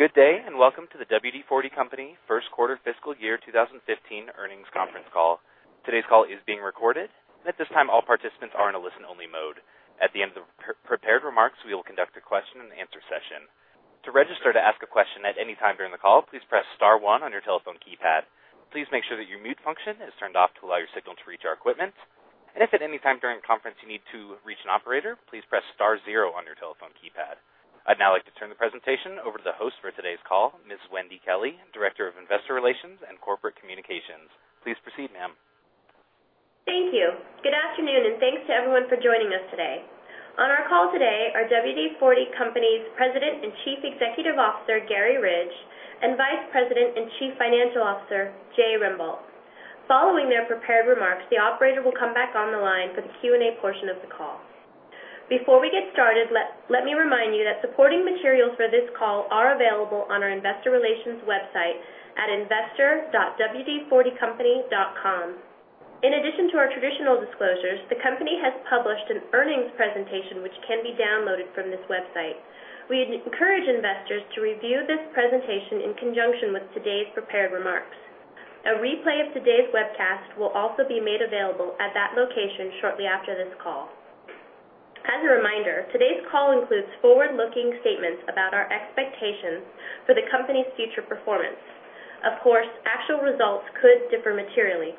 Good day, and welcome to the WD-40 Company first quarter fiscal year 2015 earnings conference call. Today's call is being recorded, and at this time, all participants are in a listen-only mode. At the end of the prepared remarks, we will conduct a question and answer session. To register to ask a question at any time during the call, please press star one on your telephone keypad. Please make sure that your mute function is turned off to allow your signal to reach our equipment. If at any time during the conference you need to reach an operator, please press star zero on your telephone keypad. I'd now like to turn the presentation over to the host for today's call, Ms. Wendy Kelley, Director of Investor Relations and Corporate Communications. Please proceed, ma'am. Thank you. Good afternoon, and thanks to everyone for joining us today. On our call today are WD-40 Company's President and Chief Executive Officer, Garry Ridge, and Vice President and Chief Financial Officer, Jay Rembolt. Following their prepared remarks, the operator will come back on the line for the Q&A portion of the call. Before we get started, let me remind you that supporting materials for this call are available on our investor relations website at investor.wd40company.com. In addition to our traditional disclosures, the company has published an earnings presentation which can be downloaded from this website. We encourage investors to review this presentation in conjunction with today's prepared remarks. A replay of today's webcast will also be made available at that location shortly after this call. As a reminder, today's call includes forward-looking statements about our expectations for the company's future performance. Of course, actual results could differ materially.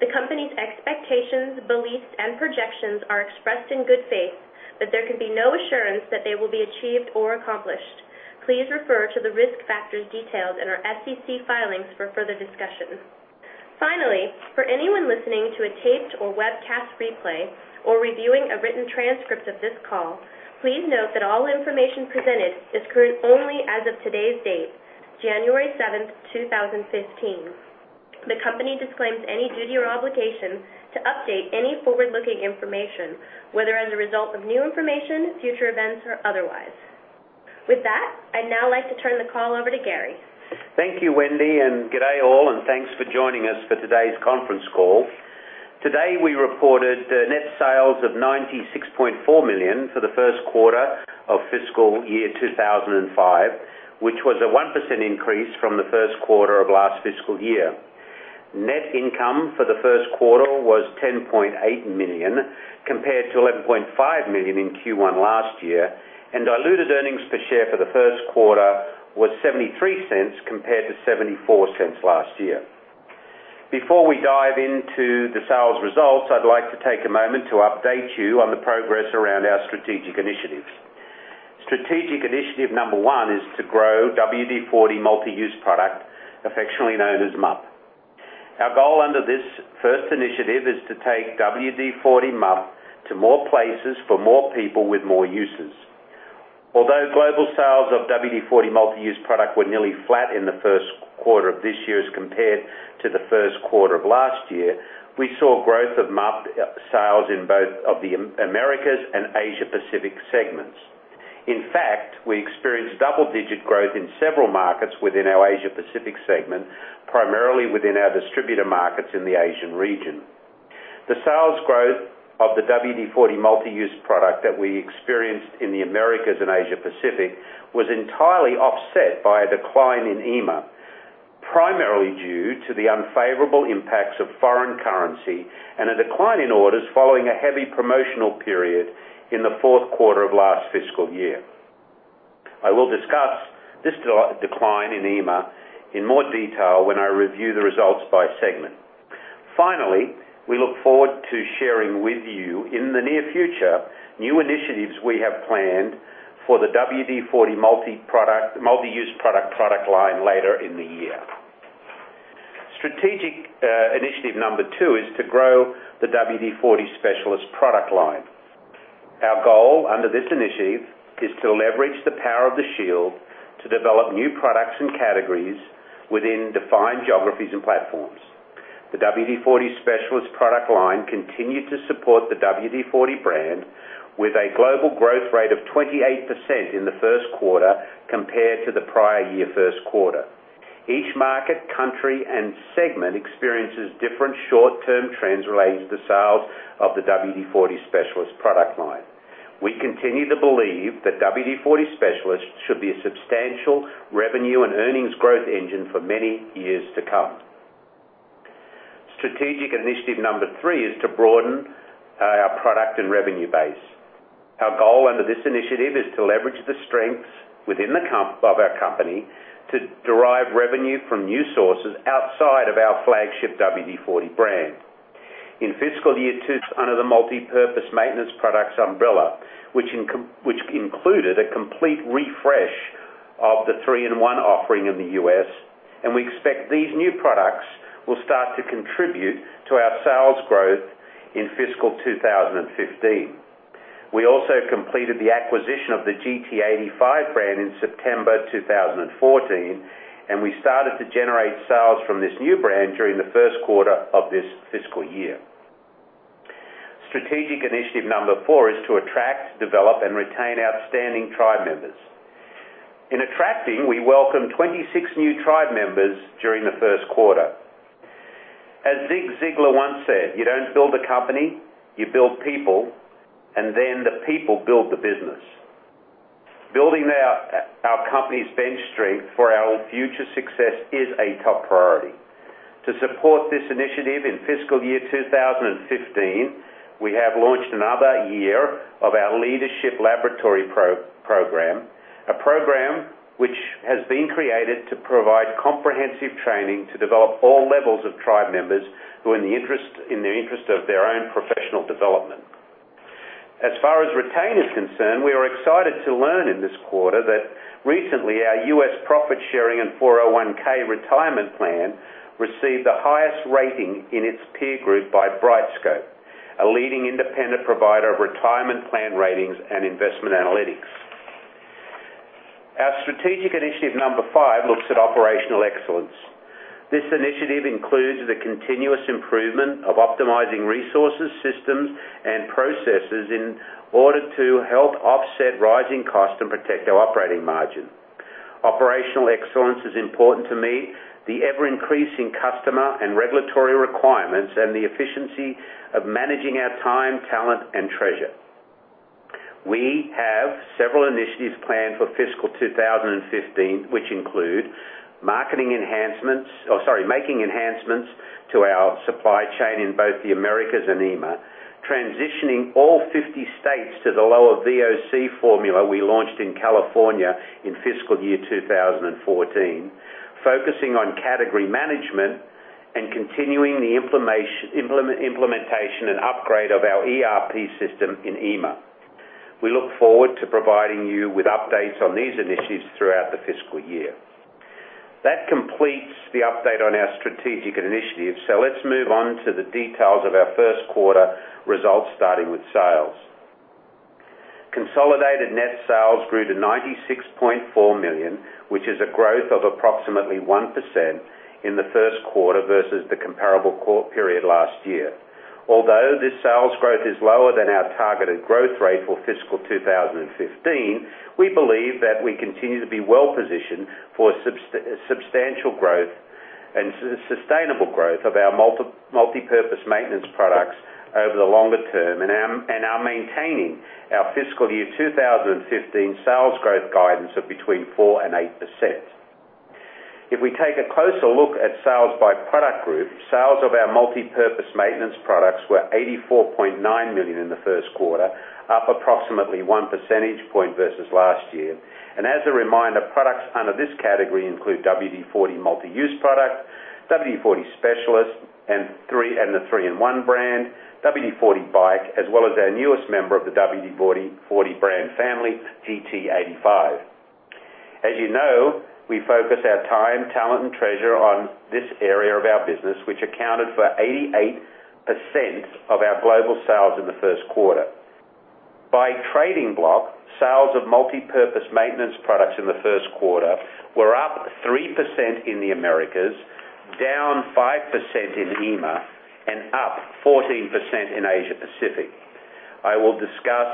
The company's expectations, beliefs, and projections are expressed in good faith, but there can be no assurance that they will be achieved or accomplished. Please refer to the risk factors detailed in our SEC filings for further discussion. Finally, for anyone listening to a taped or webcast replay or reviewing a written transcript of this call, please note that all information presented is current only as of today's date, January 7th, 2015. The company disclaims any duty or obligation to update any forward-looking information, whether as a result of new information, future events, or otherwise. With that, I'd now like to turn the call over to Garry. Thank you, Wendy, and good day all, and thanks for joining us for today's conference call. Today, we reported net sales of $96.4 million for the first quarter of fiscal year 2005, which was a 1% increase from the first quarter of last fiscal year. Net income for the first quarter was $10.8 million, compared to $11.5 million in Q1 last year, and diluted earnings per share for the first quarter was $0.73 compared to $0.74 last year. Before we dive into the sales results, I'd like to take a moment to update you on the progress around our strategic initiatives. Strategic initiative number 1 is to grow WD-40 Multi-Use Product, affectionately known as MUP. Our goal under this first initiative is to take WD-40 MUP to more places, for more people with more uses. Although global sales of WD-40 Multi-Use Product were nearly flat in the first quarter of this year as compared to the first quarter of last year, we saw growth of MUP sales in both of the Americas and Asia Pacific segments. In fact, we experienced double-digit growth in several markets within our Asia Pacific segment, primarily within our distributor markets in the Asian region. The sales growth of the WD-40 Multi-Use Product that we experienced in the Americas and Asia Pacific was entirely offset by a decline in EMEA, primarily due to the unfavorable impacts of foreign currency and a decline in orders following a heavy promotional period in the fourth quarter of last fiscal year. I will discuss this decline in EMEA in more detail when I review the results by segment. We look forward to sharing with you, in the near future, new initiatives we have planned for the WD-40 Multi-Use Product line later in the year. Strategic Initiative number two is to grow the WD-40 Specialist product line. Our goal under this initiative is to leverage the power of the shield to develop new products and categories within defined geographies and platforms. The WD-40 Specialist product line continued to support the WD-40 brand with a global growth rate of 28% in the first quarter compared to the prior year first quarter. Each market, country, and segment experiences different short-term trends relating to the sales of the WD-40 Specialist product line. We continue to believe that WD-40 Specialist should be a substantial revenue and earnings growth engine for many years to come. Strategic Initiative number three is to broaden our product and revenue base. Our goal under this initiative is to leverage the strengths within our company to derive revenue from new sources outside of our flagship WD-40 brand. In fiscal Year 2, under the multipurpose maintenance products umbrella, which included a complete refresh of the 3-IN-ONE offering in the U.S., and we expect these new products will start to contribute to our sales growth in fiscal year 2015. We also completed the acquisition of the GT85 brand in September 2014, and we started to generate sales from this new brand during the first quarter of this fiscal year. Strategic Initiative number four is to attract, develop, and retain outstanding tribe members. In attracting, we welcomed 26 new tribe members during the first quarter. As Zig Ziglar once said, "You don't build a company, you build people, and then the people build the business." Building our company's bench strength for our future success is a top priority. To support this initiative in fiscal year 2015, we have launched another year of our Leadership Laboratory Program. A program which has been created to provide comprehensive training to develop all levels of Tribe members who are in the interest of their own professional development. As far as retain is concerned, we are excited to learn in this quarter that recently our U.S. profit-sharing and 401 retirement plan received the highest rating in its peer group by BrightScope, a leading independent provider of retirement plan ratings and investment analytics. Our Strategic Initiative number five looks at operational excellence. This initiative includes the continuous improvement of optimizing resources, systems, and processes in order to help offset rising costs and protect our operating margin. Operational excellence is important to meet the ever-increasing customer and regulatory requirements and the efficiency of managing our time, talent, and treasure. We have several initiatives planned for fiscal 2015, which include making enhancements to our supply chain in both the Americas and EMEA, transitioning all 50 states to the lower VOC formula we launched in California in fiscal year 2014, focusing on category management, and continuing the implementation and upgrade of our ERP system in EMEA. We look forward to providing you with updates on these initiatives throughout the fiscal year. That completes the update on our strategic initiatives. Let's move on to the details of our first quarter results, starting with sales. Consolidated net sales grew to $96.4 million, which is a growth of approximately 1% in the first quarter versus the comparable period last year. Although this sales growth is lower than our targeted growth rate for fiscal 2015, we believe that we continue to be well-positioned for substantial growth and sustainable growth of our multipurpose maintenance products over the longer term and are maintaining our fiscal year 2015 sales growth guidance of between 4% and 8%. If we take a closer look at sales by product group, sales of our multipurpose maintenance products were $84.9 million in the first quarter, up approximately one percentage point versus last year. As a reminder, products under this category include WD-40 Multi-Use Product, WD-40 Specialist, and the 3-IN-ONE brand, WD-40 BIKE, as well as our newest member of the WD-40 brand family, GT85. As you know, we focus our time, talent, and treasure on this area of our business, which accounted for 88% of our global sales in the first quarter. By trading block, sales of multipurpose maintenance products in the first quarter were up 3% in the Americas, down 5% in EMEA, and up 14% in Asia Pacific. I will discuss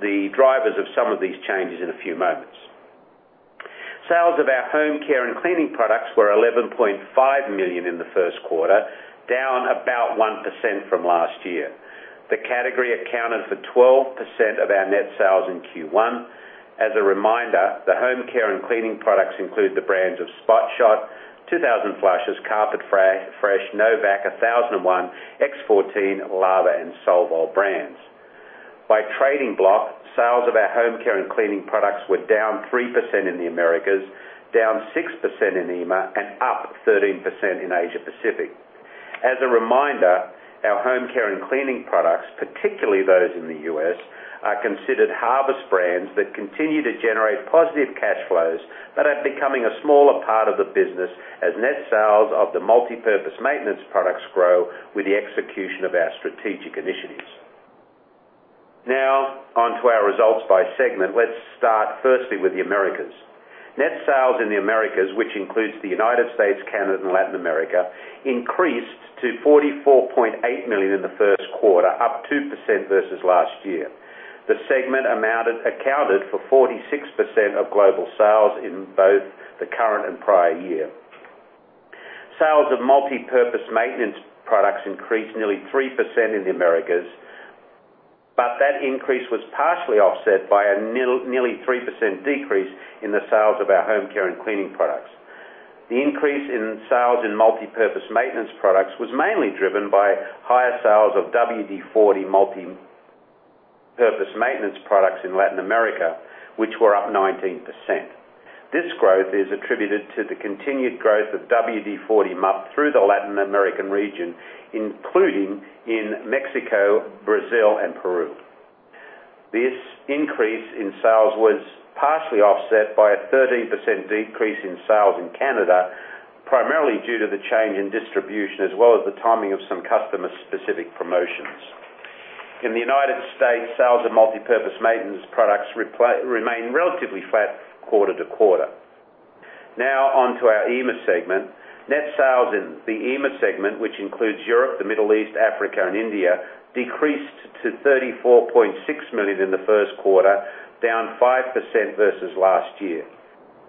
the drivers of some of these changes in a few moments. Sales of our home care and cleaning products were $11.5 million in the first quarter, down about 1% from last year. The category accounted for 12% of our net sales in Q1. As a reminder, the home care and cleaning products include the brands of Spot Shot, 2000 Flushes, Carpet Fresh, no vac, 1001, X-14, Lava, and Solvol brands. By trading block, sales of our home care and cleaning products were down 3% in the Americas, down 6% in EMEA, and up 13% in Asia Pacific. As a reminder, our home care and cleaning products, particularly those in the U.S., are considered harvest brands that continue to generate positive cash flows but are becoming a smaller part of the business as net sales of the multipurpose maintenance products grow with the execution of our strategic initiatives. Now on to our results by segment. Let's start firstly with the Americas. Net sales in the Americas, which includes the United States, Canada, and Latin America, increased to $44.8 million in the first quarter, up 2% versus last year. The segment accounted for 46% of global sales in both the current and prior year. Sales of multipurpose maintenance products increased nearly 3% in the Americas, that increase was partially offset by a nearly 3% decrease in the sales of our home care and cleaning products. The increase in sales in multipurpose maintenance products was mainly driven by higher sales of WD-40 multipurpose maintenance products in Latin America, which were up 19%. This growth is attributed to the continued growth of WD-40 MUP through the Latin American region, including in Mexico, Brazil, and Peru. This increase in sales was partially offset by a 13% decrease in sales in Canada, primarily due to the change in distribution as well as the timing of some customer-specific promotions. In the U.S., sales of multipurpose maintenance products remain relatively flat quarter-to-quarter. On to our EMEA segment. Net sales in the EMEA segment, which includes Europe, the Middle East, Africa, and India, decreased to $34.6 million in the first quarter, down 5% versus last year.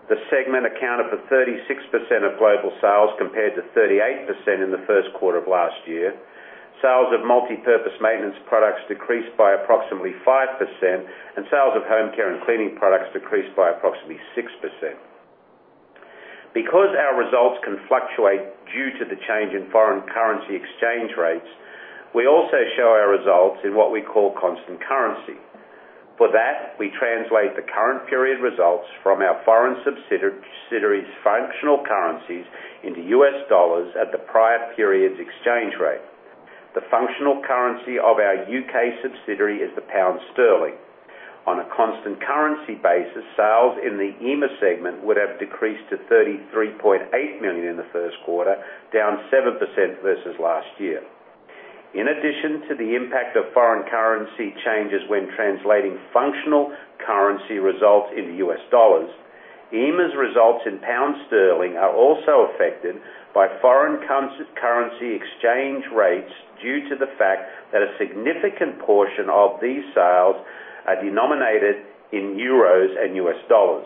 The segment accounted for 36% of global sales, compared to 38% in the first quarter of last year. Sales of multipurpose maintenance products decreased by approximately 5%, and sales of home care and cleaning products decreased by approximately 6%. Because our results can fluctuate due to the change in foreign currency exchange rates, we also show our results in what we call constant currency. For that, we translate the current period results from our foreign subsidiaries' functional currencies into U.S. dollars at the prior period's exchange rate. The functional currency of our U.K. subsidiary is the pound sterling. On a constant currency basis, sales in the EMEA segment would have decreased to $33.8 million in the first quarter, down 7% versus last year. In addition to the impact of foreign currency changes when translating functional currency results into U.S. dollars, EMEA's results in pound sterling are also affected by foreign currency exchange rates due to the fact that a significant portion of these sales are denominated in euros and U.S. dollars.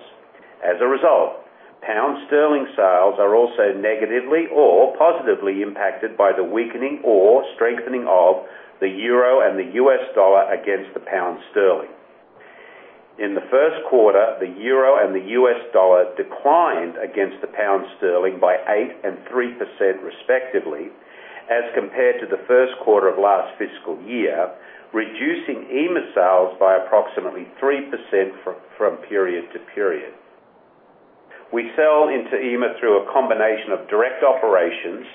As a result, pound sterling sales are also negatively or positively impacted by the weakening or strengthening of the euro and the U.S. dollar against the pound sterling. In the first quarter, the euro and the U.S. dollar declined against the pound sterling by 8% and 3% respectively, as compared to the first quarter of last fiscal year, reducing EMEA sales by approximately 3% from period to period. We sell into EMEA through a combination of direct operations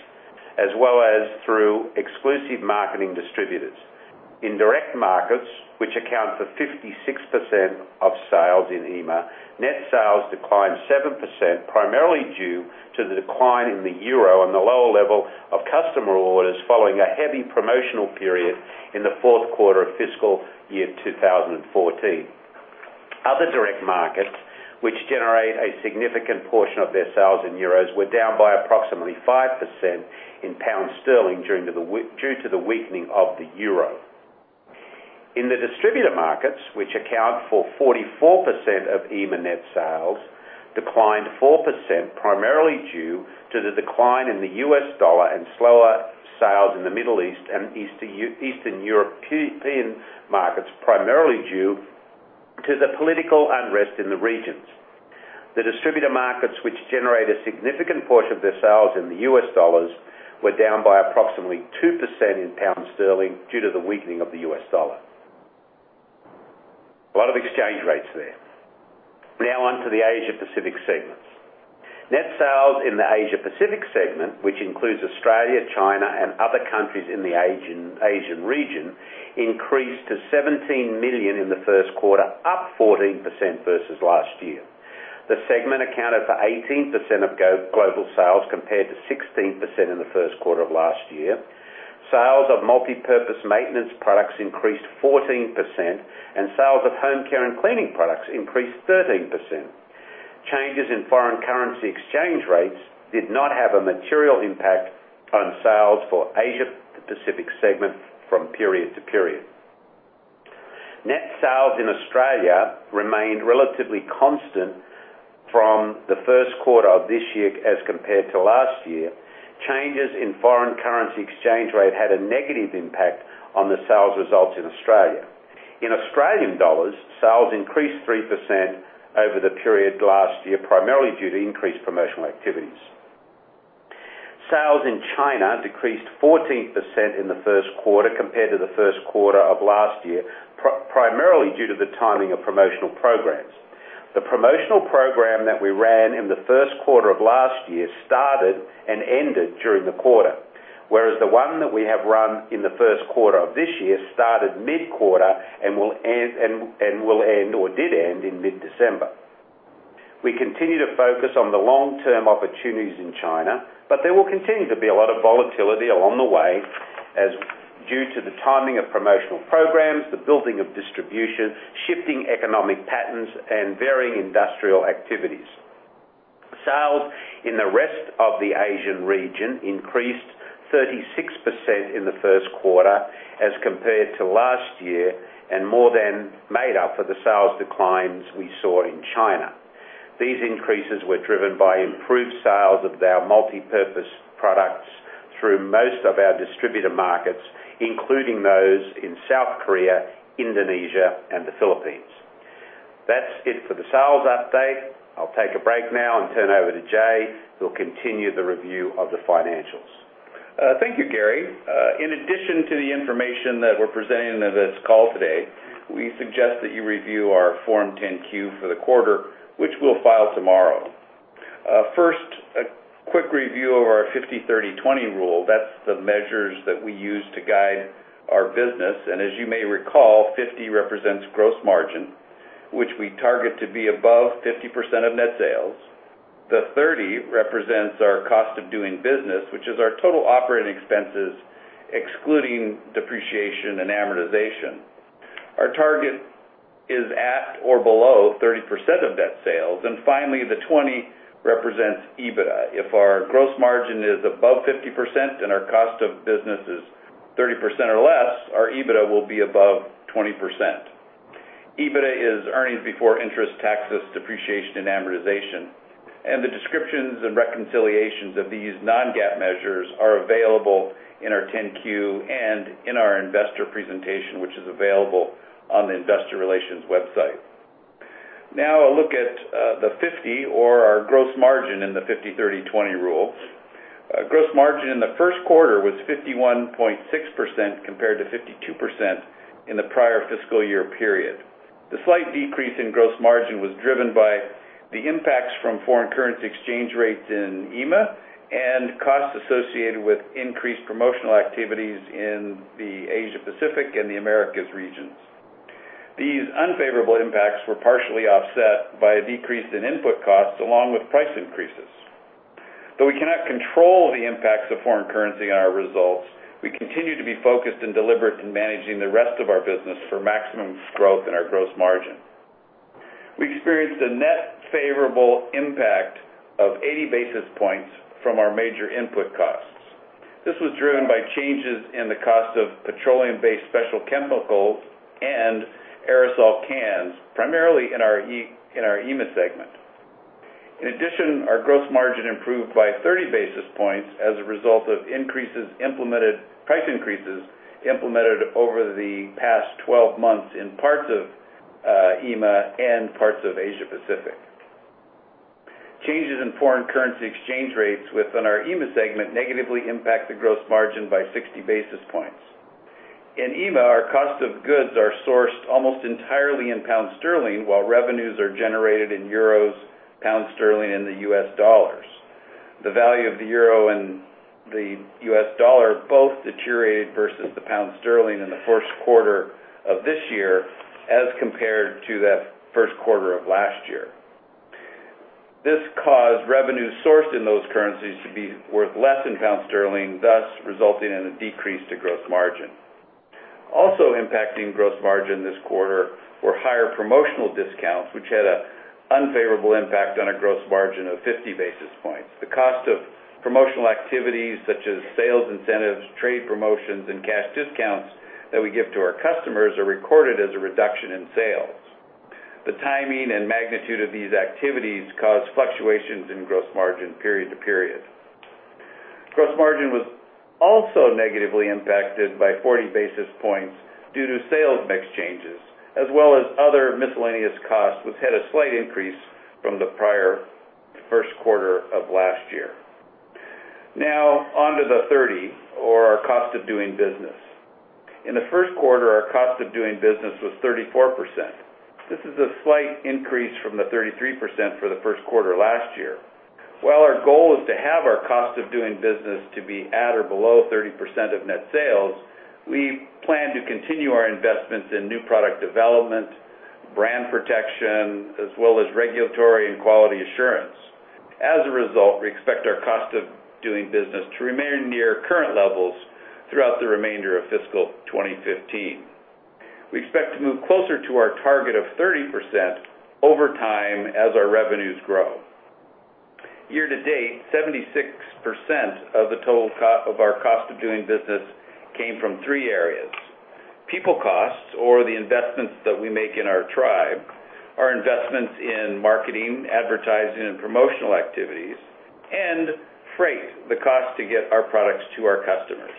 as well as through exclusive marketing distributors. In direct markets, which account for 56% of sales in EMEA, net sales declined 7%, primarily due to the decline in the euro and the lower level of customer orders following a heavy promotional period in the fourth quarter of fiscal year 2014. Other direct markets, which generate a significant portion of their sales in euros, were down by approximately 5% in pound sterling due to the weakening of the euro. In the distributor markets, which account for 44% of EMEA net sales, declined 4%, primarily due to the decline in the U.S. dollar and slower sales in the Middle East and Eastern European markets, primarily due to the political unrest in the regions. The distributor markets, which generate a significant portion of their sales in the U.S. dollars, were down by approximately 2% in GBP due to the weakening of the U.S. dollar. A lot of exchange rates there. Now on to the Asia Pacific segments. Net sales in the Asia Pacific segment, which includes Australia, China, and other countries in the Asian region, increased to $17 million in the first quarter, up 14% versus last year. The segment accounted for 18% of global sales, compared to 16% in the first quarter of last year. Sales of multi-purpose maintenance products increased 14%, and sales of home care and cleaning products increased 13%. Changes in foreign currency exchange rates did not have a material impact on sales for Asia Pacific segment from period to period. Net sales in Australia remained relatively constant from the first quarter of this year as compared to last year. Changes in foreign currency exchange rate had a negative impact on the sales results in Australia. In AUD, sales increased 3% over the period last year, primarily due to increased promotional activities. Sales in China decreased 14% in the first quarter compared to the first quarter of last year, primarily due to the timing of promotional programs. The promotional program that we ran in the first quarter of last year started and ended during the quarter, whereas the one that we have run in the first quarter of this year started mid-quarter and will end, or did end, in mid-December. We continue to focus on the long-term opportunities in China. There will continue to be a lot of volatility along the way due to the timing of promotional programs, the building of distribution, shifting economic patterns, and varying industrial activities. Sales in the rest of the Asian region increased 36% in the first quarter as compared to last year and more than made up for the sales declines we saw in China. These increases were driven by improved sales of our multi-purpose products through most of our distributor markets, including those in South Korea, Indonesia, and the Philippines. That's it for the sales update. I'll take a break now and turn over to Jay, who'll continue the review of the financials. Thank you, Garry. In addition to the information that we're presenting in this call today, we suggest that you review our Form 10-Q for the quarter, which we'll file tomorrow. First, a quick review of our 50/30/20 rule. That's the measures that we use to guide our business. As you may recall, 50 represents gross margin, which we target to be above 50% of net sales. The 30 represents our cost of doing business, which is our total operating expenses, excluding depreciation and amortization. Our target is at or below 30% of net sales. Finally, the 20 represents EBITDA. If our gross margin is above 50% and our cost of business is 30% or less, our EBITDA will be above 20%. EBITDA is earnings before interest, taxes, depreciation, and amortization. The descriptions and reconciliations of these non-GAAP measures are available in our 10-Q and in our investor presentation, which is available on the investor relations website. Now a look at the 50 or our gross margin in the 50/30/20 rule. Gross margin in the first quarter was 51.6% compared to 52% in the prior fiscal year period. The slight decrease in gross margin was driven by the impacts from foreign currency exchange rates in EMEA and costs associated with increased promotional activities in the Asia-Pacific and the Americas regions. These unfavorable impacts were partially offset by a decrease in input costs along with price increases. Though we cannot control the impacts of foreign currency on our results, we continue to be focused and deliberate in managing the rest of our business for maximum growth in our gross margin. We experienced a net favorable impact of 80 basis points from our major input costs. This was driven by changes in the cost of petroleum-based special chemicals and aerosol cans, primarily in our EMEA segment. In addition, our gross margin improved by 30 basis points as a result of price increases implemented over the past 12 months in parts of EMEA and parts of Asia-Pacific. Changes in foreign currency exchange rates within our EMEA segment negatively impact the gross margin by 60 basis points. In EMEA, our cost of goods are sourced almost entirely in pound sterling, while revenues are generated in euros, pound sterling, and the US dollars. The value of the euro and the US dollar both deteriorated versus the pound sterling in the first quarter of this year as compared to the first quarter of last year. This caused revenue sourced in those currencies to be worth less in pound sterling, thus resulting in a decrease to gross margin. Also impacting gross margin this quarter were higher promotional discounts, which had an unfavorable impact on a gross margin of 50 basis points. The cost of promotional activities such as sales incentives, trade promotions, and cash discounts that we give to our customers are recorded as a reduction in sales. The timing and magnitude of these activities cause fluctuations in gross margin period to period. Gross margin was also negatively impacted by 40 basis points due to sales mix changes, as well as other miscellaneous costs, which had a slight increase from the prior first quarter of last year. Now on to the 30 or our cost of doing business. In the first quarter, our cost of doing business was 34%. This is a slight increase from the 33% for the first quarter last year. While our goal is to have our cost of doing business to be at or below 30% of net sales, we plan to continue our investments in new product development, brand protection, as well as regulatory and quality assurance. As a result, we expect our cost of doing business to remain near current levels throughout the remainder of fiscal 2015. We expect to move closer to our target of 30% over time as our revenues grow. Year to date, 76% of the total of our cost of doing business came from three areas. People costs, or the investments that we make in our tribe, our investments in marketing, advertising, and promotional activities, and freight, the cost to get our products to our customers.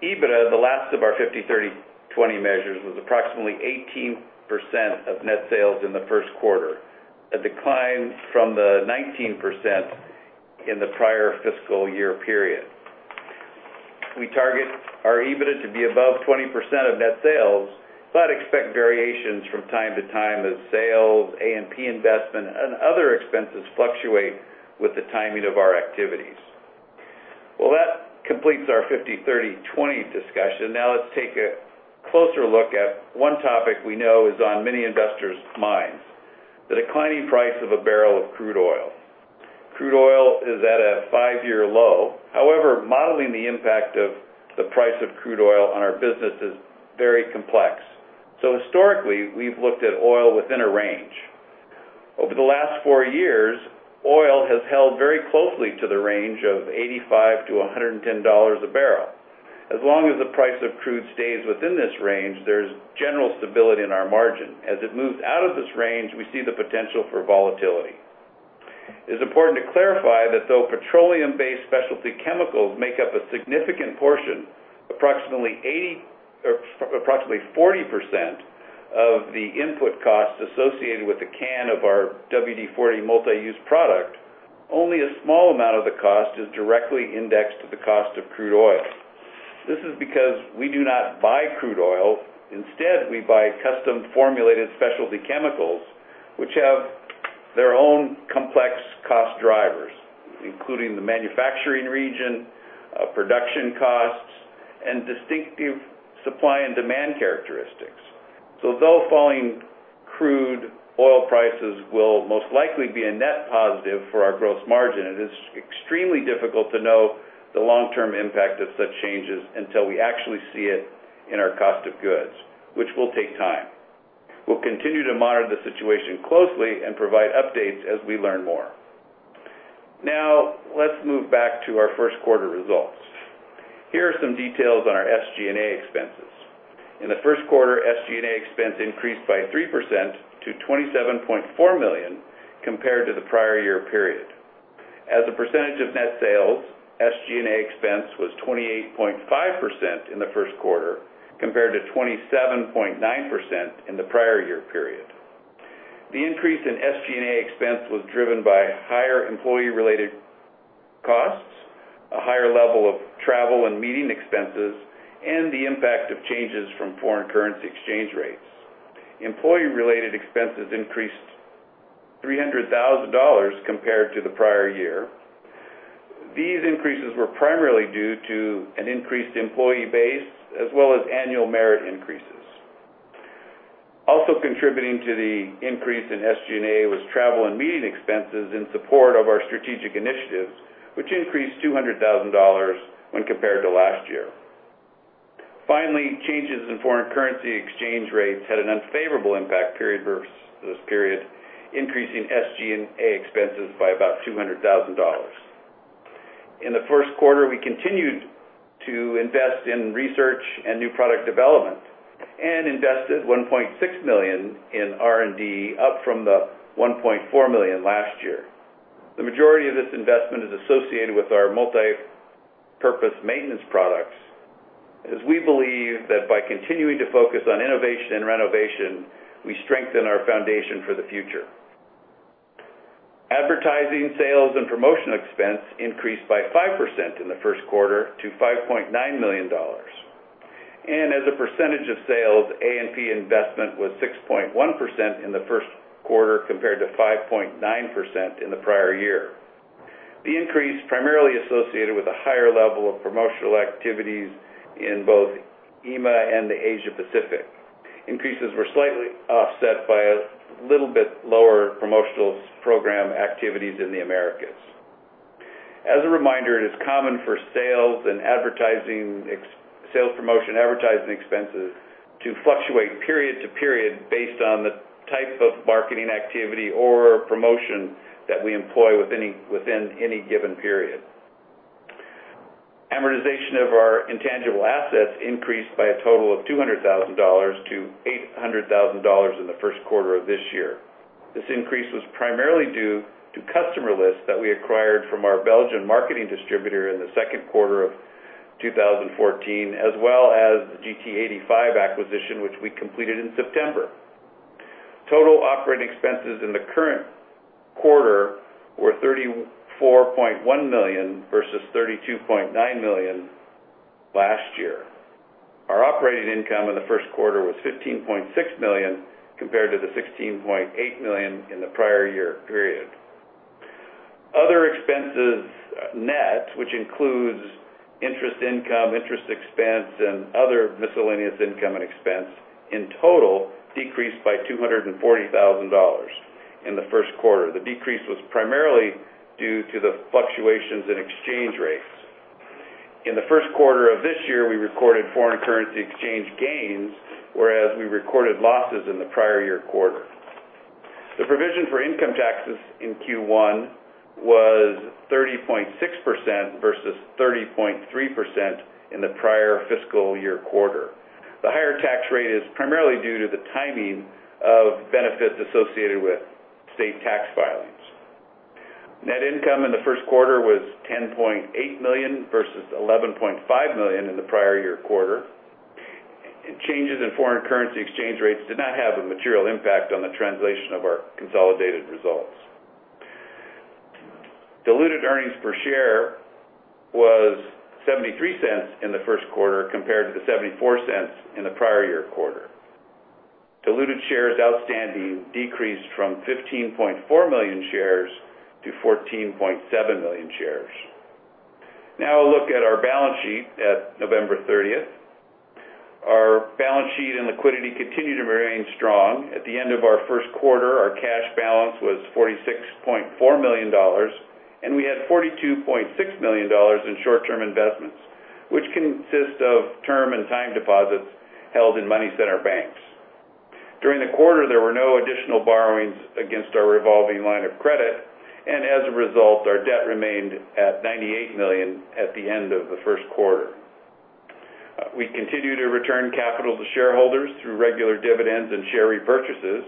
EBITDA, the last of our 50/30/20 measures, was approximately 18% of net sales in the first quarter, a decline from the 19% in the prior fiscal year period. We target our EBITDA to be above 20% of net sales, but expect variations from time to time as sales, A&P investment, and other expenses fluctuate with the timing of our activities. Well, that completes our 50/30/20 discussion. Let's take a closer look at one topic we know is on many investors' minds, the declining price of a barrel of crude oil. Crude oil is at a five-year low. Modeling the impact of the price of crude oil on our business is very complex. Historically, we've looked at oil within a range. Over the last four years, oil has held very closely to the range of $85-$110 a barrel. As long as the price of crude stays within this range, there's general stability in our margin. As it moves out of this range, we see the potential for volatility. It's important to clarify that though petroleum-based specialty chemicals make up a significant portion, approximately 40% of the input costs associated with a can of our WD-40 Multi-Use Product, only a small amount of the cost is directly indexed to the cost of crude oil. This is because we do not buy crude oil. We buy custom formulated specialty chemicals, which have their own complex cost drivers, including the manufacturing region, production costs, and distinctive supply and demand characteristics. Though falling crude oil prices will most likely be a net positive for our gross margin, it is extremely difficult to know the long-term impact of such changes until we actually see it in our cost of goods, which will take time. We'll continue to monitor the situation closely and provide updates as we learn more. Let's move back to our first quarter results. Here are some details on our SG&A expenses. In the first quarter, SG&A expense increased by 3% to $27.4 million compared to the prior year period. As a percentage of net sales, SG&A expense was 28.5% in the first quarter compared to 27.9% in the prior year period. The increase in SG&A expense was driven by higher employee-related costs, a higher level of travel and meeting expenses, and the impact of changes from foreign currency exchange rates. Employee-related expenses increased $300,000 compared to the prior year. These increases were primarily due to an increased employee base as well as annual merit increases. Also contributing to the increase in SG&A was travel and meeting expenses in support of our strategic initiatives, which increased $200,000 when compared to last year. Changes in foreign currency exchange rates had an unfavorable impact period versus period, increasing SG&A expenses by about $200,000. In the first quarter, we continued to invest in research and new product development and invested $1.6 million in R&D, up from the $1.4 million last year. The majority of this investment is associated with our multipurpose maintenance products, as we believe that by continuing to focus on innovation and renovation, we strengthen our foundation for the future. Advertising, sales, and promotional expense increased by 5% in the first quarter to $5.9 million. As a percentage of sales, A&P investment was 6.1% in the first quarter compared to 5.9% in the prior year. The increase primarily associated with a higher level of promotional activities in both EMEA and the Asia Pacific. Increases were slightly offset by a little bit lower promotional program activities in the Americas. As a reminder, it is common for sales promotion advertising expenses to fluctuate period to period based on the type of marketing activity or promotion that we employ within any given period. Amortization of our intangible assets increased by a total of $200,000 to $800,000 in the first quarter of this year. This increase was primarily due to customer lists that we acquired from our Belgian marketing distributor in the second quarter of 2014, as well as the GT85 acquisition, which we completed in September. Total operating expenses in the current quarter were $34.1 million versus $32.9 million last year. Our operating income in the first quarter was $15.6 million compared to the $16.8 million in the prior year period. Other expenses net, which includes interest income, interest expense, and other miscellaneous income and expense, in total decreased by $240,000 in the first quarter. The decrease was primarily due to the fluctuations in exchange rates. In the first quarter of this year, we recorded foreign currency exchange gains, whereas we recorded losses in the prior year quarter. The provision for income taxes in Q1 was 30.6% versus 30.3% in the prior fiscal year quarter. The higher tax rate is primarily due to the timing of benefits associated with state tax filings. Net income in the first quarter was $10.8 million versus $11.5 million in the prior year quarter. Changes in foreign currency exchange rates did not have a material impact on the translation of our consolidated results. Diluted earnings per share was $0.73 in the first quarter compared to the $0.74 in the prior year quarter. Diluted shares outstanding decreased from 15.4 million shares to 14.7 million shares. Now a look at our balance sheet at November 30th. Our balance sheet and liquidity continued to remain strong. At the end of our first quarter, our cash balance was $46.4 million, and we had $42.6 million in short-term investments, which consist of term and time deposits held in money center banks. During the quarter, there were no additional borrowings against our revolving line of credit, and as a result, our debt remained at $98 million at the end of the first quarter. We continue to return capital to shareholders through regular dividends and share repurchases.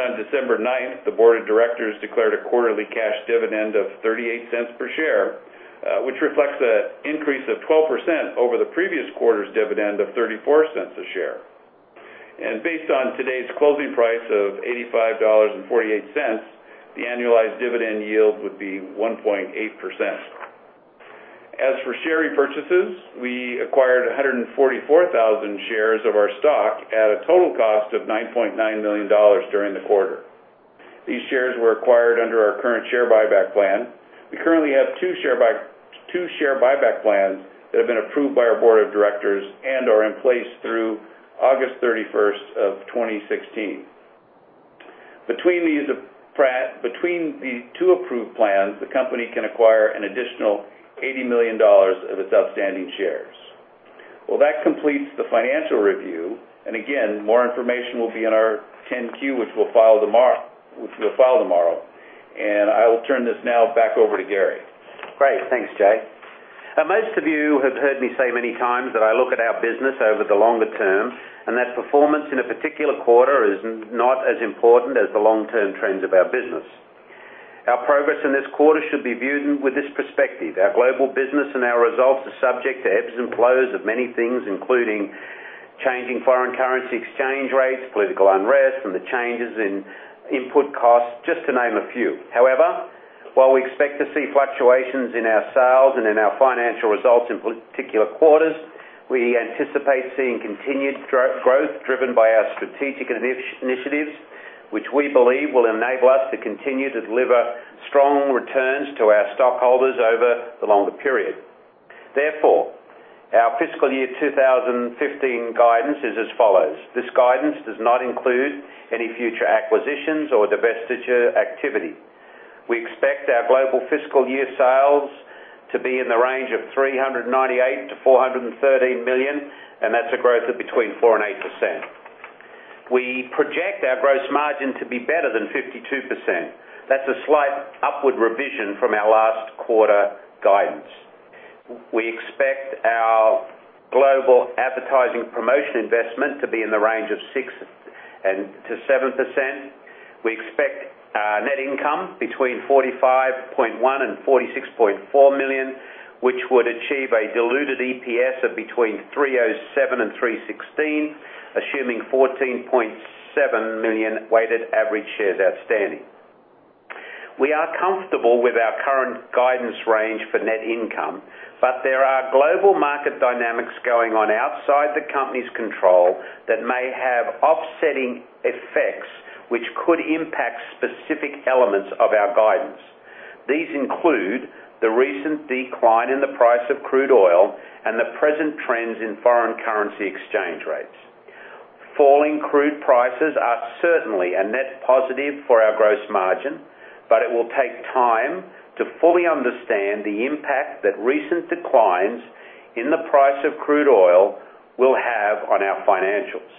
On December 9th, the board of directors declared a quarterly cash dividend of $0.38 per share, which reflects an increase of 12% over the previous quarter's dividend of $0.34 a share. Based on today's closing price of $85.48, the annualized dividend yield would be 1.8%. As for share repurchases, we acquired 144,000 shares of our stock at a total cost of $9.9 million during the quarter. These shares were acquired under our current share buyback plan. We currently have two share buyback plans that have been approved by our board of directors and are in place through August 31st of 2016. Between the two approved plans, the company can acquire an additional $80 million of its outstanding shares. Well, that completes the financial review. Again, more information will be on our 10-Q, which we'll file tomorrow. I will turn this now back over to Garry. Great. Thanks, Jay. Most of you have heard me say many times that I look at our business over the longer term, and that performance in a particular quarter is not as important as the long-term trends of our business. Our progress in this quarter should be viewed with this perspective. Our global business and our results are subject to ebbs and flows of many things, including changing foreign currency exchange rates, political unrest, and the changes in input costs, just to name a few. However, while we expect to see fluctuations in our sales and in our financial results in particular quarters, we anticipate seeing continued growth driven by our strategic initiatives, which we believe will enable us to continue to deliver strong returns to our stockholders over the longer period. Therefore, our fiscal year 2015 guidance is as follows. This guidance does not include any future acquisitions or divestiture activity. We expect our global fiscal year sales to be in the range of $398 million-$413 million, and that's a growth of between 4%-8%. We project our gross margin to be better than 52%. That's a slight upward revision from our last quarter guidance. We expect our global advertising promotion investment to be in the range of 6%-7%. We expect net income between $45.1 million-$46.4 million, which would achieve a diluted EPS of between $3.07-$3.16, assuming 14.7 million weighted average shares outstanding. We are comfortable with our current guidance range for net income, but there are global market dynamics going on outside the company's control that may have offsetting effects which could impact specific elements of our guidance. These include the recent decline in the price of crude oil and the present trends in foreign currency exchange rates. Falling crude prices are certainly a net positive for our gross margin, but it will take time to fully understand the impact that recent declines in the price of crude oil will have on our financials.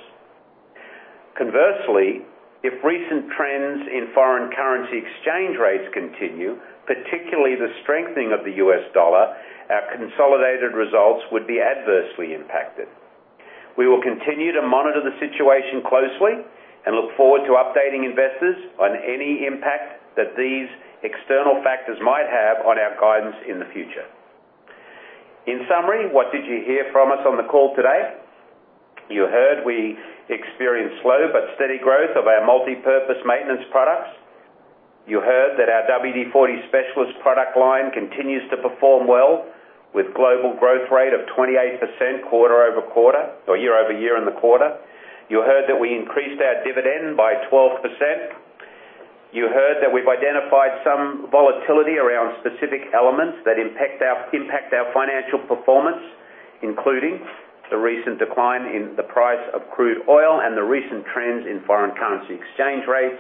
Conversely, if recent trends in foreign currency exchange rates continue, particularly the strengthening of the U.S. dollar, our consolidated results would be adversely impacted. We will continue to monitor the situation closely and look forward to updating investors on any impact that these external factors might have on our guidance in the future. In summary, what did you hear from us on the call today? You heard we experienced slow but steady growth of our multipurpose maintenance products. You heard that our WD-40 Specialist product line continues to perform well with global growth rate of 28% quarter-over-quarter or year-over-year in the quarter. You heard that we increased our dividend by 12%. You heard that we've identified some volatility around specific elements that impact our financial performance, including the recent decline in the price of crude oil and the recent trends in foreign currency exchange rates.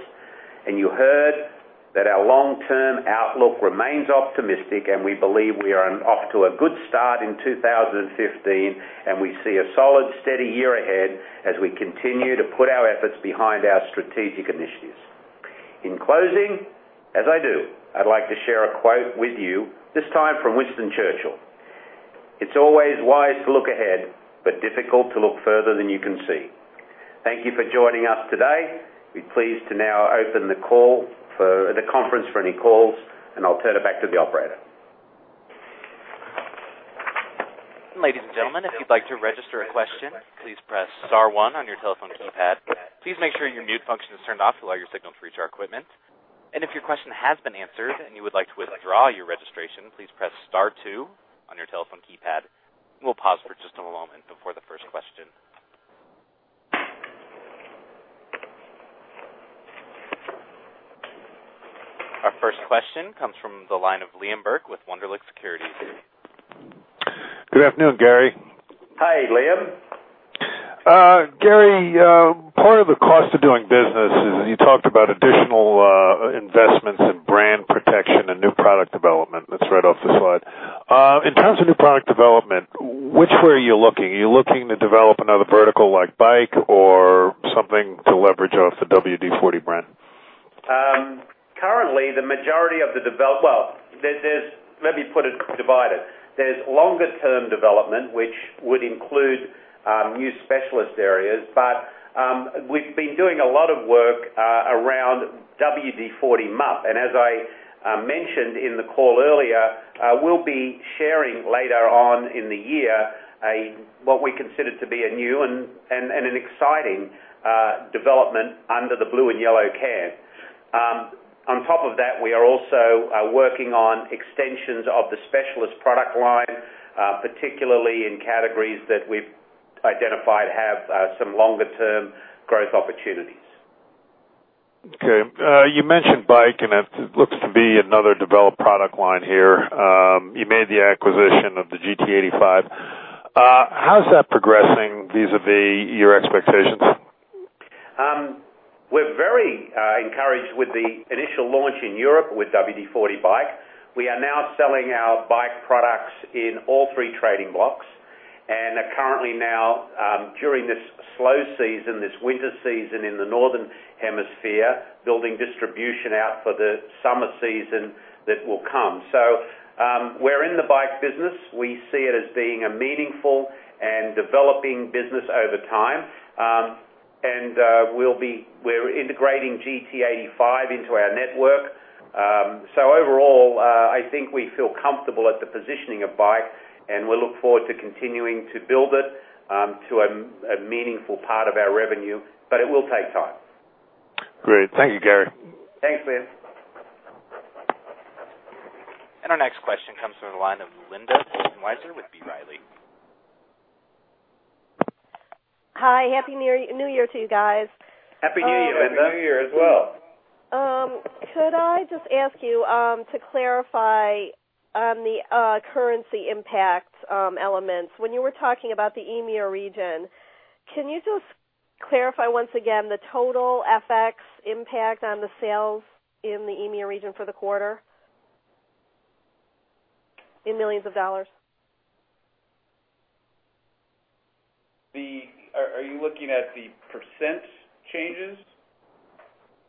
You heard that our long-term outlook remains optimistic, and we believe we are off to a good start in 2015, and we see a solid, steady year ahead as we continue to put our efforts behind our strategic initiatives. In closing, as I do, I'd like to share a quote with you, this time from Winston Churchill. "It's always wise to look ahead, but difficult to look further than you can see." Thank you for joining us today. We're pleased to now open the conference for any calls. I'll turn it back to the operator. Ladies and gentlemen, if you'd like to register a question, please press star one on your telephone keypad. Please make sure your mute function is turned off to allow your signal to reach our equipment. If your question has been answered and you would like to withdraw your registration, please press star two on your telephone keypad. We'll pause for just a moment before the first question. Our first question comes from the line of Liam Burke with Wunderlich Securities. Good afternoon, Garry. Hi, Liam. Garry, part of the cost of doing business is you talked about additional investments in brand protection and new product development. That's right off the slide. In terms of new product development, which way are you looking? Are you looking to develop another vertical like bike or something to leverage off the WD-40 brand? Currently, Well, let me put it, divide it. There's longer-term development, which would include new specialist areas. We've been doing a lot of work around WD-40 MUP, and as I mentioned in the call earlier, we'll be sharing later on in the year what we consider to be a new and an exciting development under the blue and yellow can. On top of that, we are also working on extensions of the specialist product line, particularly in categories that we've identified have some longer-term growth opportunities. Okay. You mentioned bike, and it looks to be another developed product line here. You made the acquisition of the GT85. How's that progressing vis-a-vis your expectations? We're very encouraged with the initial launch in Europe with WD-40 BIKE. We are now selling our bike products in all three trading blocks and are currently now, during this slow season, this winter season in the Northern Hemisphere, building distribution out for the summer season that will come. We're in the bike business. We see it as being a meaningful and developing business over time. We're integrating GT85 into our network. Overall, I think we feel comfortable at the positioning of bike, and we look forward to continuing to build it to a meaningful part of our revenue, but it will take time. Great. Thank you, Garry. Thanks, Liam. Our next question comes from the line of Linda Bolton-Weiser with B. Riley. Hi. Happy New Year to you guys. Happy New Year, Linda. Happy New Year as well. Could I just ask you to clarify on the currency impact elements. When you were talking about the EMEA region, can you just clarify once again the total FX impact on the sales in the EMEA region for the quarter in millions of dollars? Are you looking at the percent changes?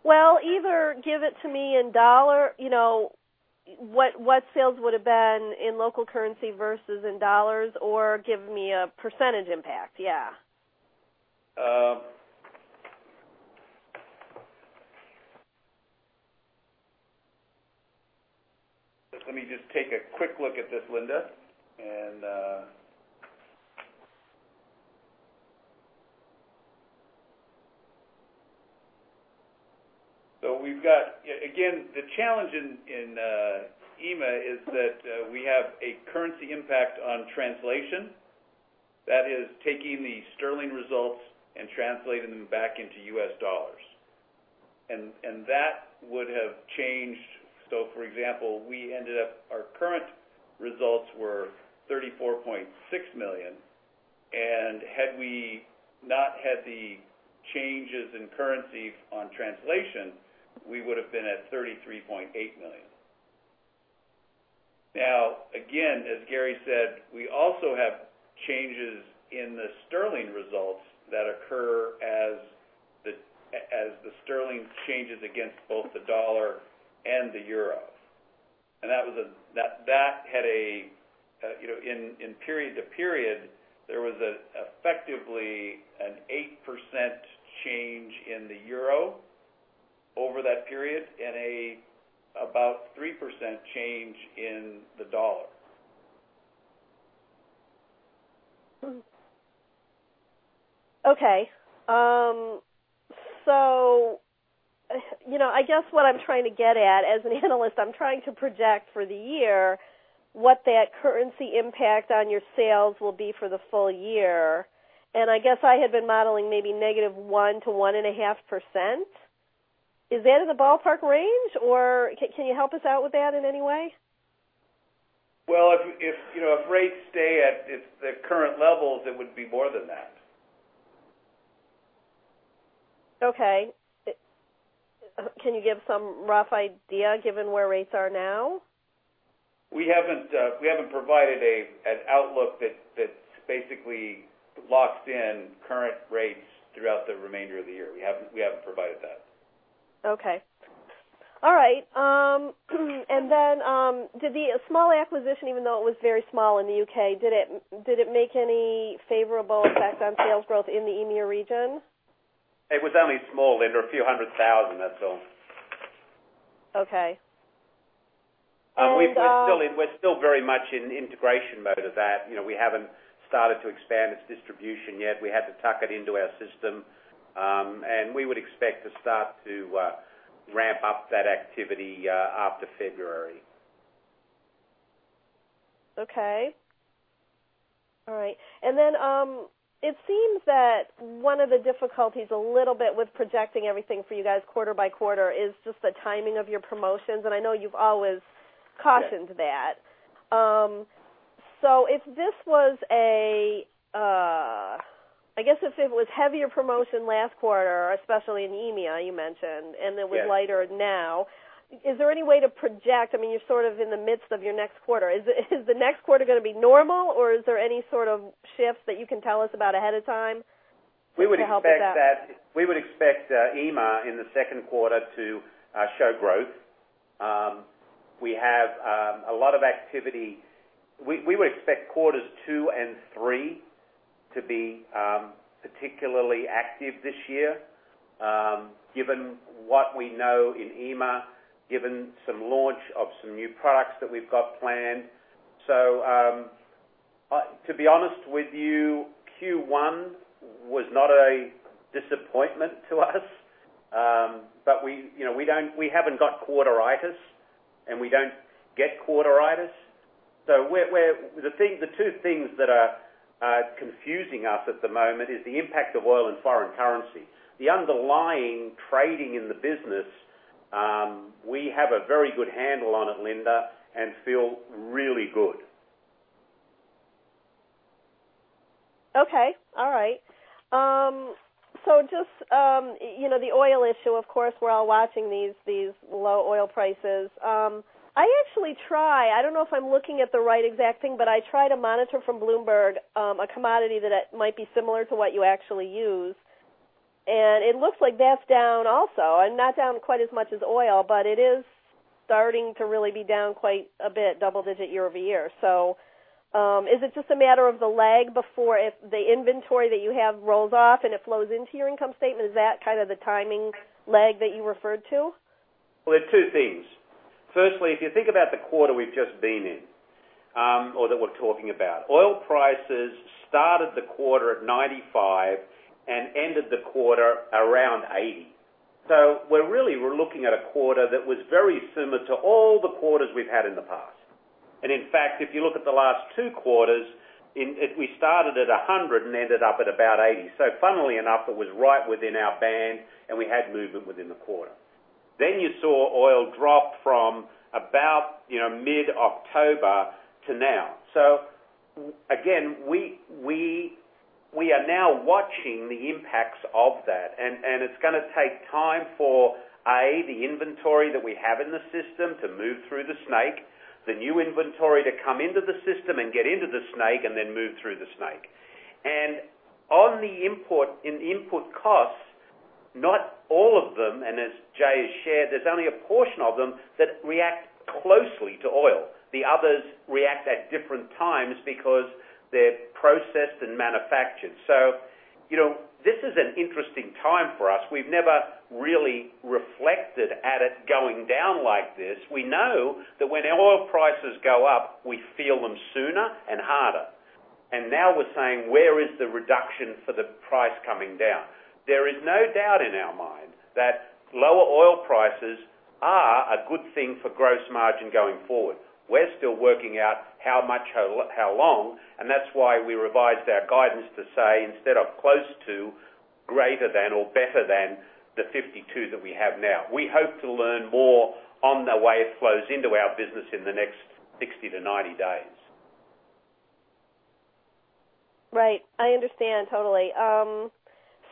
Well, either give it to me in dollars, what sales would have been in local currency versus in dollars, or give me a % impact. Yeah. Let me just take a quick look at this, Linda. We've got, again, the challenge in EMEA is that we have a currency impact on translation. That is, taking the sterling results and translating them back into US dollars. That would have changed. For example, our current results were $34.6 million, and had we not had the changes in currency on translation, we would've been at $33.8 million. Now, again, as Garry said, we also have changes in the sterling results that occur as the sterling changes against both the USD and the EUR. In period to period, there was effectively an 8% change in the EUR over that period and about 3% change in the USD. Okay. I guess what I'm trying to get at, as an analyst, I'm trying to project for the year what that currency impact on your sales will be for the full year. I guess I had been modeling maybe -1% to 1.5%. Is that in the ballpark range, or can you help us out with that in any way? Well, if rates stay at the current levels, it would be more than that. Okay. Can you give some rough idea, given where rates are now? We haven't provided an outlook that basically locks in current rates throughout the remainder of the year. We haven't provided that. Okay. All right. Then, did the small acquisition, even though it was very small in the U.K., did it make any favorable impact on sales growth in the EMEA region? It was only small, Linda. a few hundred thousand, that's all. Okay. We're still very much in integration mode of that. We haven't started to expand its distribution yet. We had to tuck it into our system. We would expect to start to ramp up that activity after February. Okay. All right. It seems that one of the difficulties a little bit with projecting everything for you guys quarter by quarter is just the timing of your promotions, and I know you've always cautioned that. If this was I guess if it was heavier promotion last quarter, especially in EMEA, you mentioned, and that we're lighter now, is there any way to project, you're sort of in the midst of your next quarter. Is the next quarter going to be normal, or is there any sort of shift that you can tell us about ahead of time to help with that? We would expect EMEA in the second quarter to show growth. We have a lot of activity. We would expect quarters two and three to be particularly active this year, given what we know in EMEA, given some launch of some new products that we've got planned. To be honest with you, Q1 was not a disappointment to us. We haven't got quarteritis, and we don't get quarteritis. The two things that are confusing us at the moment is the impact of oil and foreign currency. The underlying trading in the business, we have a very good handle on it, Linda, and feel really good Okay. All right. Just the oil issue, of course, we're all watching these low oil prices. I actually try, I don't know if I'm looking at the right exact thing, but I try to monitor from Bloomberg, a commodity that might be similar to what you actually use. It looks like that's down also. Not down quite as much as oil, but it is starting to really be down quite a bit, double-digit year-over-year. Is it just a matter of the lag before the inventory that you have rolls off and it flows into your income statement? Is that the timing lag that you referred to? Well, there's two things. Firstly, if you think about the quarter we've just been in, or that we're talking about, oil prices started the quarter at 95 and ended the quarter around 80. Really, we're looking at a quarter that was very similar to all the quarters we've had in the past. In fact, if you look at the last two quarters, we started at 100 and ended up at about 80. Funnily enough, it was right within our band and we had movement within the quarter. You saw oil drop from about mid-October to now. Again, we are now watching the impacts of that, and it's going to take time for, A, the inventory that we have in the system to move through the snake, the new inventory to come into the system and get into the snake, and then move through the snake. On the input costs, not all of them, and as Jay has shared, there's only a portion of them that react closely to oil. The others react at different times because they're processed and manufactured. This is an interesting time for us. We've never really reflected at it going down like this. We know that when oil prices go up, we feel them sooner and harder. Now we're saying, "Where is the reduction for the price coming down?" There is no doubt in our mind that lower oil prices are a good thing for gross margin going forward. We're still working out how much, how long, and that's why we revised our guidance to say, instead of close to, greater than or better than the 52 that we have now. We hope to learn more on the way it flows into our business in the next 60-90 days. Right. I understand totally.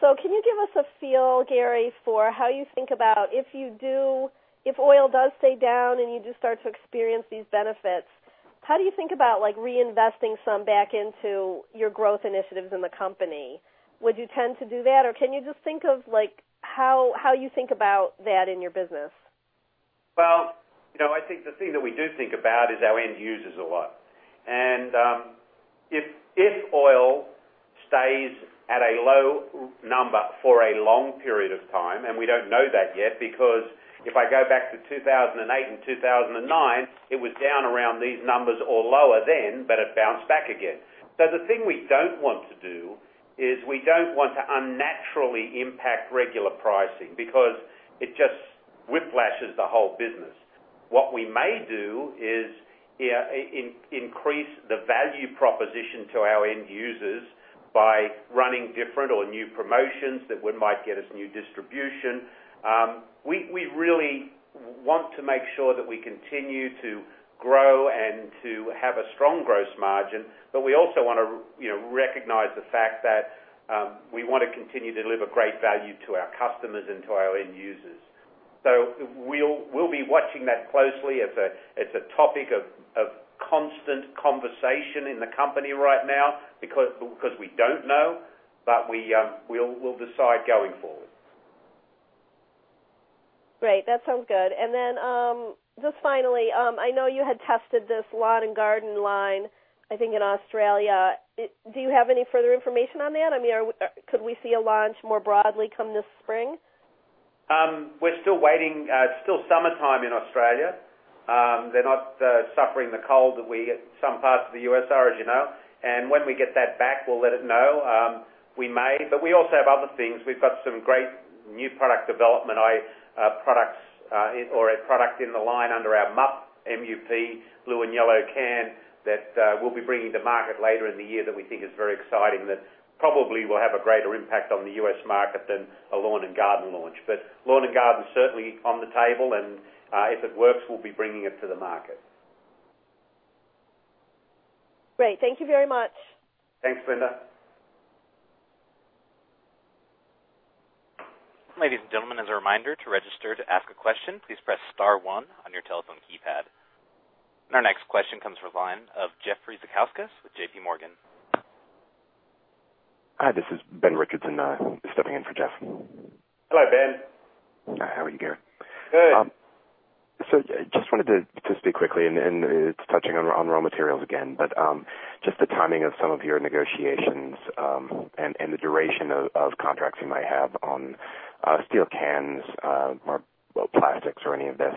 Can you give us a feel, Garry, for how you think about if oil does stay down and you do start to experience these benefits, how do you think about reinvesting some back into your growth initiatives in the company? Would you tend to do that? Or can you just think of how you think about that in your business? Well, I think the thing that we do think about is our end users a lot. If oil stays at a low number for a long period of time, and we don't know that yet, because if I go back to 2008 and 2009, it was down around these numbers or lower then, it bounced back again. The thing we don't want to do is we don't want to unnaturally impact regular pricing because it just whiplashes the whole business. What we may do is increase the value proposition to our end users by running different or new promotions that might get us new distribution. We really want to make sure that we continue to grow and to have a strong gross margin, we also want to recognize the fact that we want to continue to deliver great value to our customers and to our end users. We'll be watching that closely as a topic of constant conversation in the company right now, because we don't know, we'll decide going forward. Great. That sounds good. Then, just finally, I know you had tested this lawn and garden line, I think, in Australia. Do you have any further information on that? Could we see a launch more broadly come this spring? We're still waiting. It's still summertime in Australia. They're not suffering the cold that we, at some parts of the U.S., are, as you know. When we get that back, we'll let it know. We may, but we also have other things. We've got some great new product development, a product in the line under our MUP, M-U-P, blue and yellow can that we'll be bringing to market later in the year that we think is very exciting, that probably will have a greater impact on the U.S. market than a lawn and garden launch. Lawn and garden's certainly on the table, and, if it works, we'll be bringing it to the market. Great. Thank you very much. Thanks, Linda. Ladies and gentlemen, as a reminder to register to ask a question, please press star one on your telephone keypad. Our next question comes from the line of Jeffrey Ziolkowski with JPMorgan. Hi, this is Benjamin Richardson, stepping in for Jeff. Hello, Ben. How are you, Garry? Good. Just wanted to speak quickly, and it's touching on raw materials again, but just the timing of some of your negotiations, and the duration of contracts you might have on steel cans or plastics or any of this.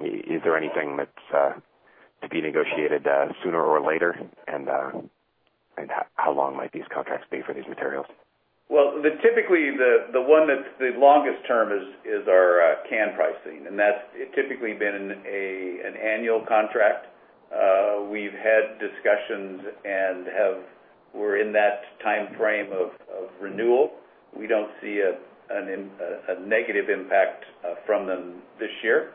Is there anything that's to be negotiated sooner or later? How long might these contracts be for these materials? Typically the one that's the longest term is our can pricing, and that's typically been an annual contract. We've had discussions and we're in that timeframe of renewal. We don't see a negative impact from them this year.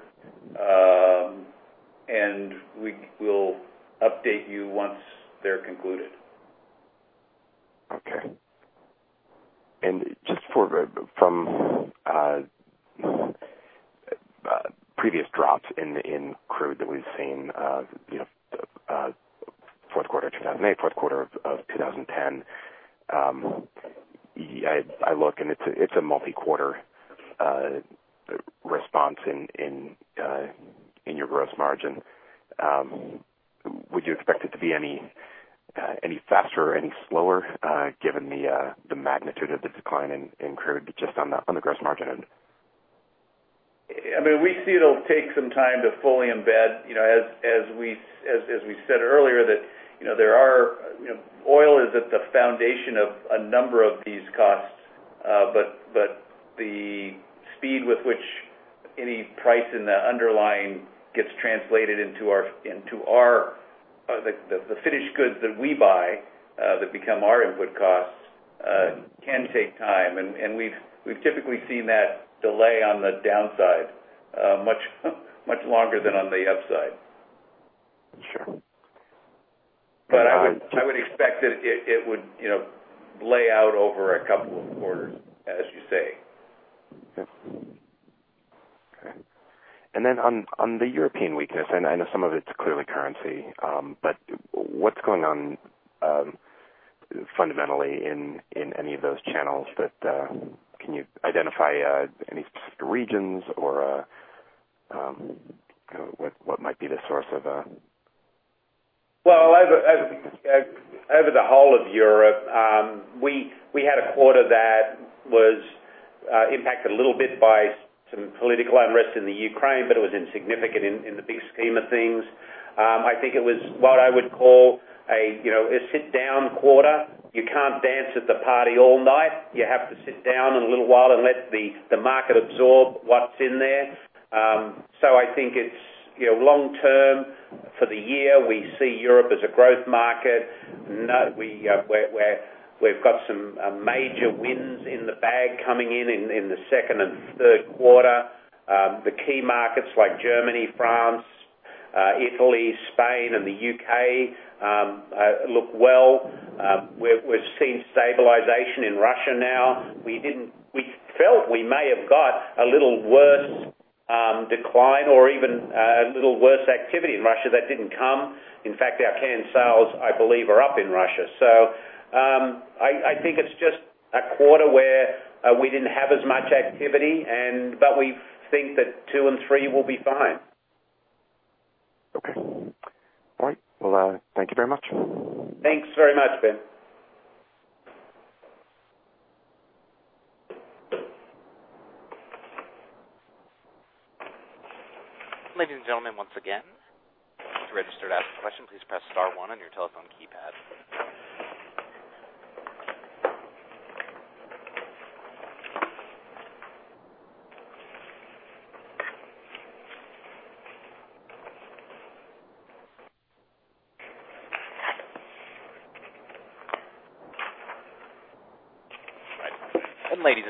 We will update you once they're concluded. Okay. Just from previous drops in crude that we've seen, fourth quarter 2008, fourth quarter of 2010. I look, and it's a multi-quarter response in your gross margin. Would you expect it to be any faster or any slower, given the magnitude of the decline in crude just on the gross margin end? We see it'll take some time to fully embed. As we said earlier, oil is at the foundation of a number of these costs. The speed with which any price in the underlying gets translated into the finished goods that we buy, that become our input costs, can take time. We've typically seen that delay on the downside much longer than on the upside. Sure. I would expect that it would lay out over a couple of quarters, as you say. Okay. On the European weakness, I know some of it's clearly currency, but what's going on fundamentally in any of those channels that Can you identify any specific regions or what might be the source of? Over the whole of Europe, we had a quarter that was impacted a little bit by some political unrest in the Ukraine, but it was insignificant in the big scheme of things. I think it was what I would call a sit-down quarter. You can't dance at the party all night. You have to sit down in a little while and let the market absorb what's in there. I think it's long-term for the year. We see Europe as a growth market. We've got some major wins in the bag coming in the second and third quarter. The key markets like Germany, France, Italy, Spain, and the U.K. look well. We're seeing stabilization in Russia now. We felt we may have got a little worse decline or even a little worse activity in Russia. That didn't come. In fact, our can sales, I believe, are up in Russia. I think it's just a quarter where we didn't have as much activity, but we think that two and three will be fine. Okay. All right. Well, thank you very much. Thanks very much, Ben. Ladies and gentlemen, once again, to register to ask a question, please press star one on your telephone keypad.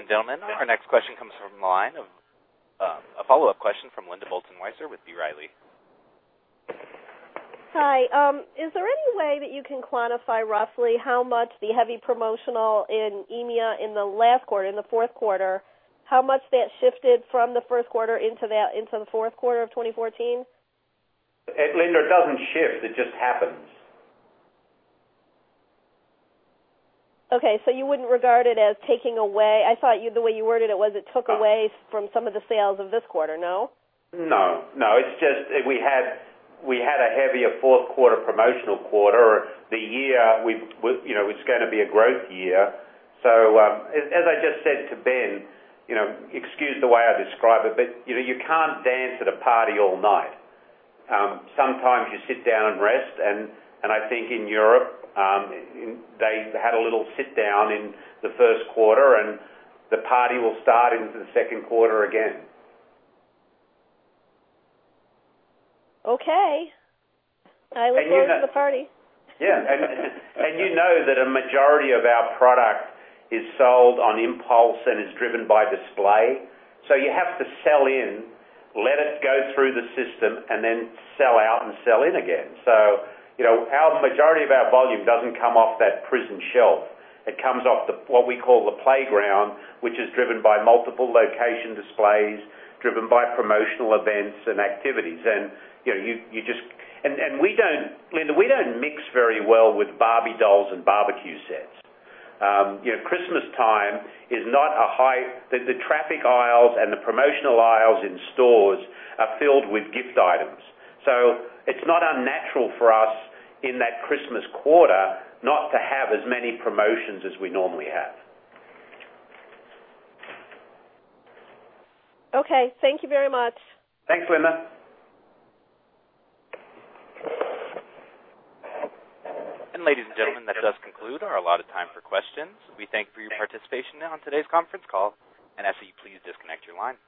Ladies and gentlemen, our next question comes from the line, a follow-up question from Linda Bolton-Weiser with B. Riley. Hi. Is there any way that you can quantify roughly how much the heavy promotional in EMEA in the last quarter, in the fourth quarter, how much that shifted from the first quarter into the fourth quarter of 2014? Linda, it doesn't shift. It just happens. You wouldn't regard it as taking away I thought the way you worded it was it took away from some of the sales of this quarter. No? No. It's just we had a heavier fourth quarter promotional quarter. The year was going to be a growth year. As I just said to Ben, excuse the way I describe it, but you can't dance at a party all night. Sometimes you sit down and rest, and I think in Europe, they had a little sit-down in the first quarter, and the party will start into the second quarter again. Okay. I look forward to the party. You know that a majority of our product is sold on impulse and is driven by display. You have to sell in, let it go through the system, and then sell out and sell in again. The majority of our volume doesn't come off that prison shelf. It comes off what we call the playground, which is driven by multiple location displays, driven by promotional events and activities. Linda, we don't mix very well with Barbie dolls and barbecue sets. The traffic aisles and the promotional aisles in stores are filled with gift items. It's not unnatural for us in that Christmas quarter not to have as many promotions as we normally have. Okay. Thank you very much. Thanks, Linda. Ladies and gentlemen, that does conclude our allotted time for questions. We thank you for your participation on today's conference call and ask that you please disconnect your line.